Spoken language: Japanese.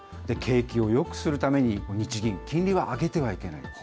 景気をよくするために、日銀、金利は上げてはいけない。